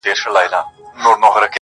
په حيرت حيرت يې وكتل مېزونه!.